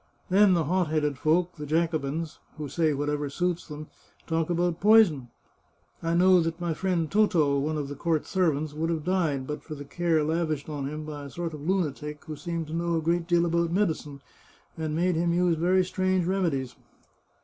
Then the hot headed folk, the Jacobins, who say whatever suits them, talk about poison. I know that my friend Toto, one of the court serv ants, would have died but for the care lavished on him 433 The Chartreuse of Parma by a sort of lunatic who seemed to know a great deal about medicine, and made him use very strange remedies.